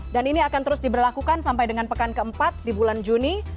dan ini akan terus diberlakukan sampai dengan pekan keempat di bulan juni